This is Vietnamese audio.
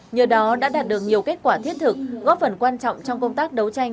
nhờ đó đã đạt được nhiều kết quả thiết thực góp phần quan trọng trong công tác đấu tranh